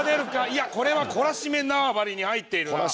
いやこれは懲らしめ縄張りに入っているな。